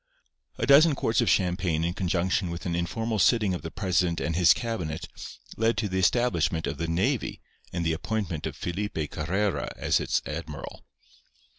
A dozen quarts of champagne in conjunction with an informal sitting of the president and his cabinet led to the establishment of the navy and the appointment of Felipe Carrera as its admiral.